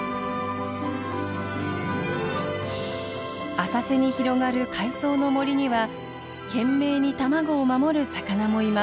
浅瀬に広がる海藻の森には懸命に卵を守る魚もいます。